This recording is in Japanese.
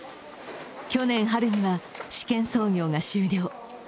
去年春には、試験操業が終了。